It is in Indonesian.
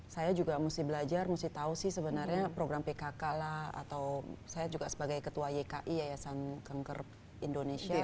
saya juga mesti belajar mesti tahu sih sebenarnya program pkk lah atau saya juga sebagai ketua yki yayasan kengker indonesia